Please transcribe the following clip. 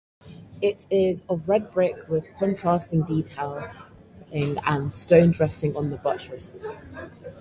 It is of red brick with contrasting detailing and stone dressings on the buttresses.